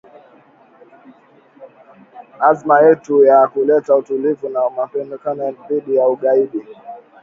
azma yetu ya kuleta utulivu na mapambano dhidi ya ugaidi